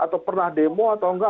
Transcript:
atau pernah demo atau enggak